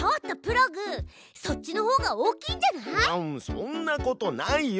ラムそんなことないよ！